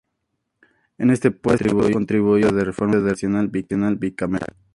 En este puesto, contribuyó al proyecto de reforma institucional bicameral.